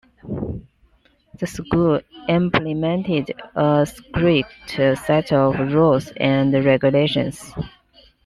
The school implemented a strict set of rules and regulations.